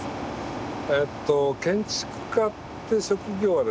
えっと建築家って職業はですね